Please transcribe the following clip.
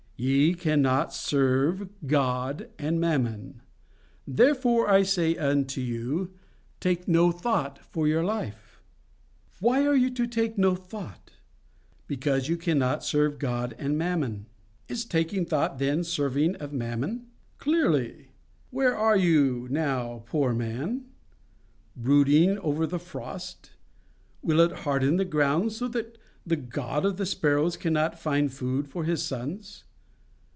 "'YE CANNOT SERVE GOD AND MAMMON. THEREFORE I SAY UNTO YOU, TAKE NO THOUGHT FOR YOUR LIFE.' "Why are you to take no thought? Because you cannot serve God and Mammon. Is taking thought, then, a serving of Mammon? Clearly.—Where are you now, poor man? Brooding over the frost? Will it harden the ground, so that the God of the sparrows cannot find food for His sons?